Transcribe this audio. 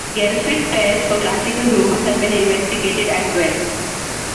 Gelfand pairs for classical groups have been investigated as well.